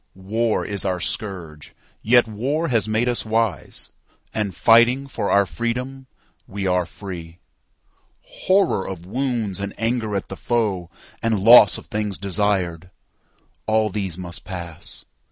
War is our scourge; yet war has made us wise, And, fighting for our freedom, we are free. Horror of wounds and anger at the foe, And loss of things desired; all these must pass.